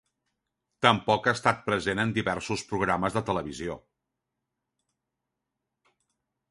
Tampoc ha estat present en diversos programes de televisió.